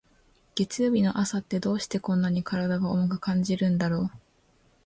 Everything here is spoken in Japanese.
月曜日の朝って、どうしてこんなに体が重く感じるんだろう。